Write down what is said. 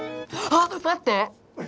あっ⁉まって！